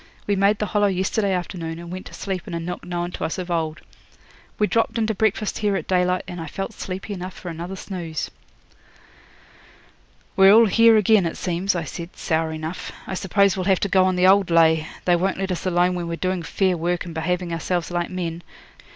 We made the Hollow yesterday afternoon, and went to sleep in a nook known to us of old. We dropped in to breakfast here at daylight, and I felt sleepy enough for another snooze.' 'We're all here again, it seems,' I said, sour enough. 'I suppose we'll have to go on the old lay; they won't let us alone when we're doing fair work and behaving ourselves like men.